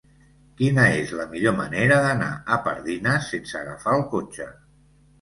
Quina és la millor manera d'anar a Pardines sense agafar el cotxe?